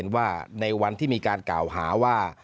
ว่าในวันที่มีการกล่าวหาว่า